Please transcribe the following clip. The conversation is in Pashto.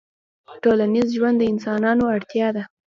ټولنیز ژوند د انسانانو اړتیا ده